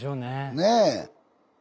ねえ？